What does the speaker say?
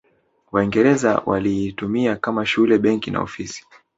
Waingereza walilitumia kama shule benki na ofisi